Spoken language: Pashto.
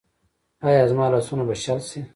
ایا زما لاسونه به شل شي؟